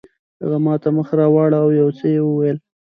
هغه ماته مخ راواړاوه او یو څه یې وویل.